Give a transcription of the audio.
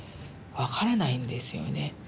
わからないんですよね。